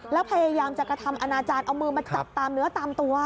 แล้วพยายามจะกระทำอนาจารย์เอามือมาจับตามเนื้อตามตัว